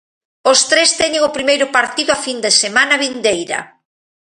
Os tres teñen o primeiro partido a fin de semana vindeira.